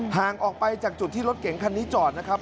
ห่างออกไปจากจุดที่รถเก๋งคันนี้จอดนะครับ